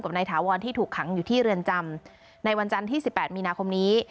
นายถาวรที่ถูกขังอยู่ที่เรือนจำในวันจันทร์ที่สิบแปดมีนาคมนี้